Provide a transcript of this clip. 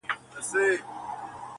o ژړ سپى د چغال ورور دئ٫